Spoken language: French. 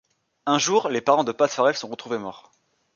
Un jour, les parents de Pat Farrell sont retrouvés morts.